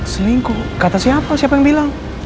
selingkuh kata siapa siapa yang bilang